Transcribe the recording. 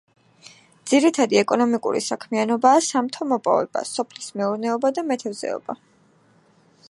ძირითადი ეკონომიკური საქმიანობაა სამთო–მოპოვება, სოფლის მეურნეობა და მეთევზეობა.